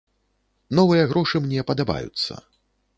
Новыя грошы мне падабаюцца.